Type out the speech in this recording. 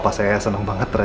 mas kasian tolong informasi